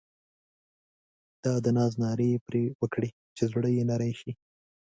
دا د ناز نارې یې پر وکړې چې زړه یې نری شي.